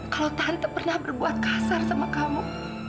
kalau tante pernah berbuat kasar sama kamu